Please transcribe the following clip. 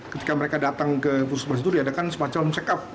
ketika mereka datang ke puskesmas itu diadakan semacam check up